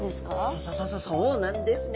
そそそそそうなんですね。